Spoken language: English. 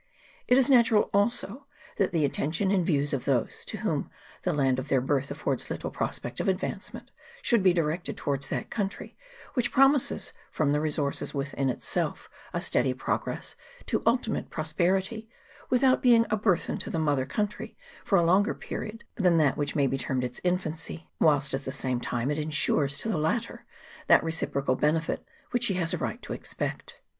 It is natural, also, that the attention and views of those to whom the land of their birth affords little prospect of advancement should be directed towards that country which promises from the resources within itself a steady progress^ to ultimate pros perity without being a burthen to the mother country for a longer period than that which may be termed its infancy, whilst at the same time it insures to the latter that reciprocal benefit which she has a right to expect.